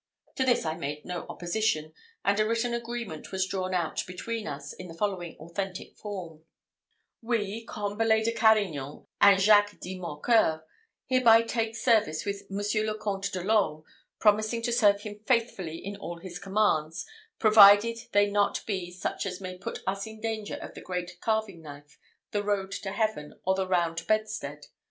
To this I made no opposition; and a written agreement was drawn out between us in the following authentic form: "We, Combalet de Carignan, and Jacques dit Mocqueur, hereby take service with Monsieur le Comte de l'Orme, promising to serve him faithfully in all his commands, provided they be not such as may put us in danger of the great carving knife, the road to heaven, or the round bedstead.